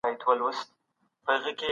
موږ عددونه بيا نه تکراروو.